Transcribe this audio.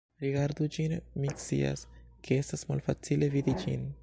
Rigardu ĝin, mi scias, ke estas malfacile vidi ĝin